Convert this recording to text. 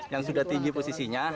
yang sudah tinggi posisinya